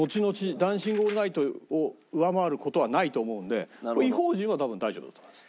『ダンシング・オールナイト』を上回る事はないと思うので『異邦人』は多分大丈夫だと思います。